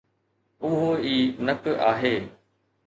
اهو ئي نڪ آهي